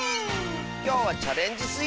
きょうは「チャレンジスイちゃん」！